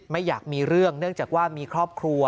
ไม่อยากมีเรื่องเนื่องจากว่ามีครอบครัว